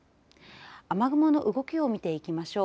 雨雲の動きを見ていきましょう。